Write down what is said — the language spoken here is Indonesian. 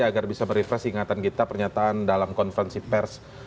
agar bisa merefresh ingatan kita pernyataan dalam konferensi pers